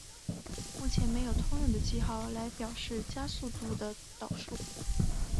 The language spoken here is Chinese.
目前没有通用的记号来表示加加加速度的导数。